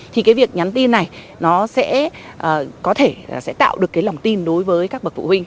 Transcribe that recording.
thì cái việc nhắn tin này nó sẽ có thể sẽ tạo được cái lòng tin đối với các bậc phụ huynh